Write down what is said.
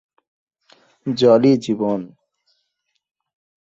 জলই জীবন।